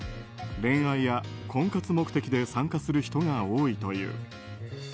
恋愛や婚活目的で参加する人が多いという。